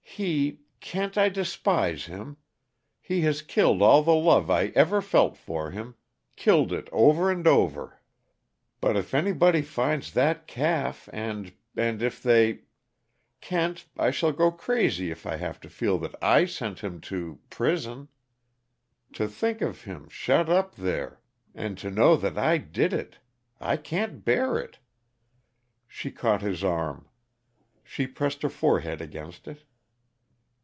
He Kent, I despise him he has killed all the love I ever felt for him killed it over and over but if anybody finds that calf, and and if they Kent, I shall go crazy if I have to feel that I sent him to prison. To think of him shut up there and to know that I did it I can't bear it!" She caught his arm. She pressed her forehead against it.